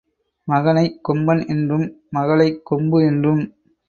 மகனைக் கொம்பன் என்றும், மகளைக் கொம்பு என்றும்